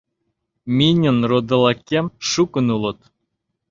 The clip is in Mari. Миньын родылакем шукын улыт